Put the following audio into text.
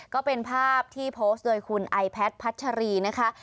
ก็เป็นภาพที่โพสต์โดยคุณไอแพทย์พัชรีนะคะ